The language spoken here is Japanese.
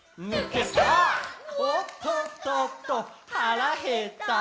「おっとっとっと腹減った！」